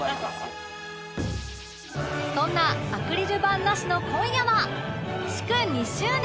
そんなアクリル板なしの今夜は祝２周年！